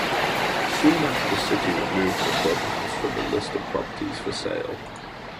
Soon after the city removed the clubhouse from the list of properties for sale.